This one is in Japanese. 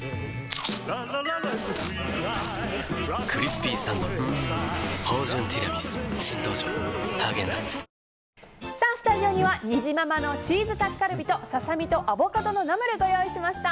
スタジオには、にじままのチーズタッカルビとささみとアボカドのナムルご用意しました。